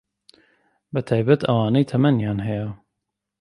بەتایبەت ئەوانەی تەمەنیان هەیە